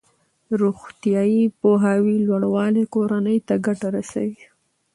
د روغتیايي پوهاوي لوړوالی کورنۍ ته ګټه رسوي.